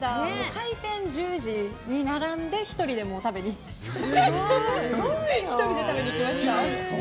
開店１０時に１人で食べに行きました。